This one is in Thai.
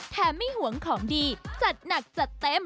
ไม่หวงของดีจัดหนักจัดเต็ม